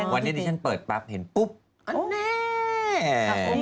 วันนี้ดิฉันเปิดปั๊บเห็นปุ๊บอันนี้